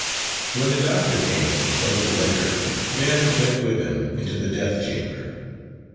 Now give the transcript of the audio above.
When the doctor came, a little later, Ben went with him into the death chamber.